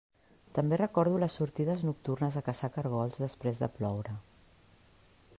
També recordo les sortides nocturnes a caçar caragols després de ploure.